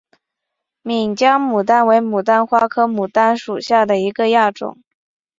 岷江杜鹃为杜鹃花科杜鹃属下的一个亚种。